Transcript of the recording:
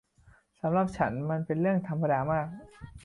สำหรับฉันมันเป็นเรื่องธรรมดามาก